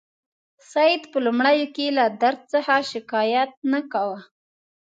سید په لومړیو کې له درد څخه شکایت نه کاوه.